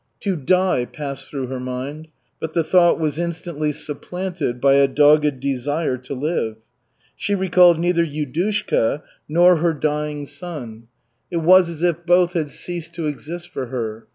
"To die!" passed through her mind, but the thought was instantly supplanted by a dogged desire to live. She recalled neither Yudushka nor her dying son. It was as if both had ceased to exist for her.